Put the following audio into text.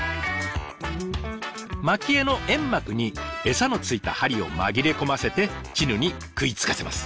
まき餌の煙幕に餌のついた針を紛れ込ませてチヌに食いつかせます。